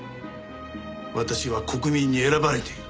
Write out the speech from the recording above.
私は国民に選ばれている。